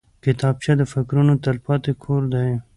کتابچه د فکرونو تلپاتې کور دی